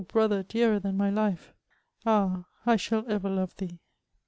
brother dearer than my life ? Ah! I shall ever love thee